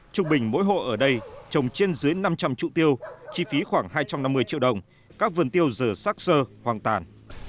trung bình mỗi hộ ở đây trồng trên dưới năm trăm linh trụ tiêu chi phí khoảng hai trăm năm mươi triệu đồng các vườn tiêu giờ sát sơ hoang tàn